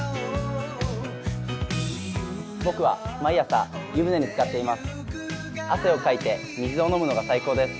僕は毎朝、湯船につかっています。